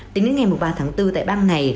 tính đến ngày một mươi ba tháng bốn tại bang nga